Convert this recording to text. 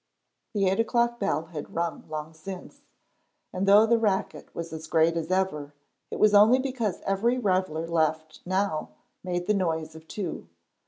The eight o'clock bell had rung long since, and though the racket was as great as ever, it was only because every reveller left now made the noise of two.